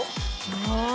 「ああ！」